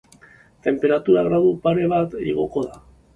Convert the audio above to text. Tenperatura gradu pare bat igoko da.